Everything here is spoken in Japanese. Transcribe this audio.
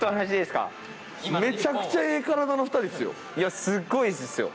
いやすごいですよ。